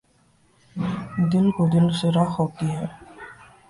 دل کو دل سے راہ ہوتی ہے